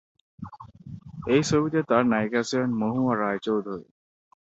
এই ছবিতে তার নায়িকা ছিলেন মহুয়া রায় চৌধুরী।